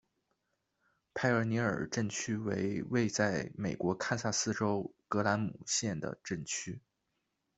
派厄尼尔镇区为位在美国堪萨斯州葛兰姆县的镇区。